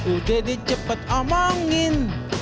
udah di cepet omongin